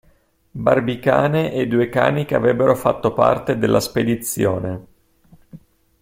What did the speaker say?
Barbicane e due cani che avrebbero fatto parte della spedizione.